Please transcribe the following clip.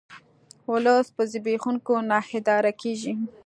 ولس په زبېښولو نه اداره کیږي